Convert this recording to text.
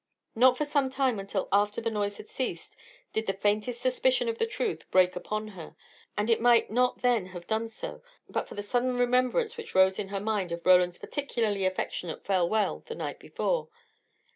Not for some time until after the noise had ceased did the faintest suspicion of the truth break upon her; and it might not then have done so, but for the sudden remembrance which rose in her mind of Roland's particularly affectionate farewell the night before.